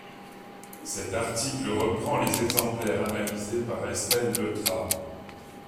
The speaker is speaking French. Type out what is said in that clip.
Cet article reprend les exemplaires analysés par Estelle Leutrat.